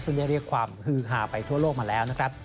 ซึ่งได้เรียกความฮือหาไปทั่วโลกมาแล้วนะครับ